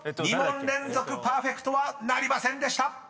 ２問連続パーフェクトはなりませんでした。